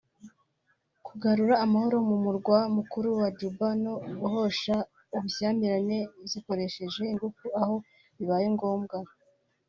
kugarura amahoro mu murwa mukuru Juba no guhosha ubushyamirane zikoresheje ingufu aho bibaye ngombwa